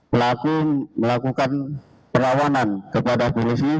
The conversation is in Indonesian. pelaku melakukan perlawanan kepada polisi